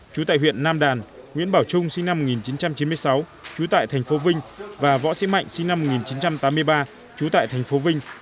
chú tại huyện nam đàn nguyễn bảo trung sinh năm một nghìn chín trăm chín mươi sáu trú tại thành phố vinh và võ sĩ mạnh sinh năm một nghìn chín trăm tám mươi ba trú tại thành phố vinh